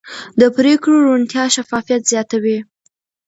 د پرېکړو روڼتیا شفافیت زیاتوي